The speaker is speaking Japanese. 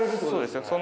そうですね。